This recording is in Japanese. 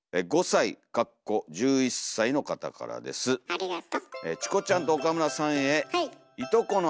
ありがと。